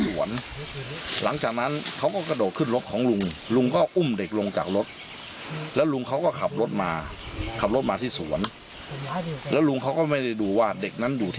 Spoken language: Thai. วิ่งตามลุงมาลุงเขาก็ไม่รู้